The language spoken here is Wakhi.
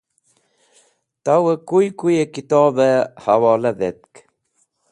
Tawẽ koy koyẽ kitobẽ hẽwola dhetk.